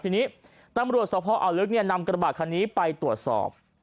ทีนี้ตำรวจสภอ่าวลึกนำกระบาดคันนี้ไปตรวจสอบ